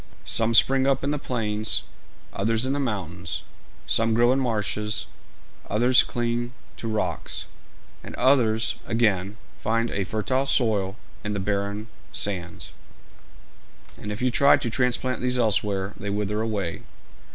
Some spring up in the plains, others in the mountains; some grow in marshes, others cling to rocks; and others, again, find a fertile soil in the barren sands; and if you try to transplant these elsewhere, they wither away.